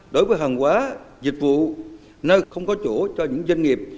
đối với hàng hóa dịch vụ nơi không có chỗ cho những doanh nghiệp